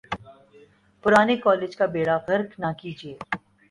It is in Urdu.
پرانے کالج کا بیڑہ غرق نہ کیجئے۔